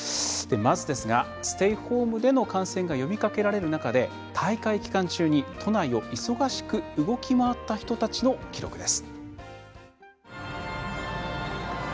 まず、ステイホームでの観戦が呼びかけられる中で大会期間中都内を忙しく動き回った人たちの記録です。